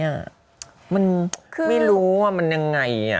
มันไม่รู้ว่ามันยังไง